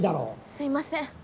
すいません。